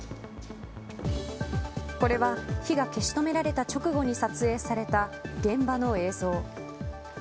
これは火が消し止められた直後に撮影された現場の映像。